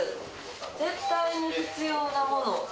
絶対に必要なもの。